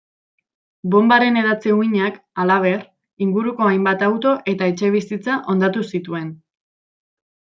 Bonbaren hedatze-uhinak, halaber, inguruko hainbat auto eta etxebizitza hondatu zituen.